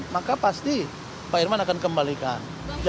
maka pasti pak irman akan kembalikan